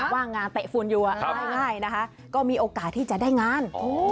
ว่างงานเตะฝุ่นอยู่ง่ายนะคะก็มีโอกาสที่จะได้งาน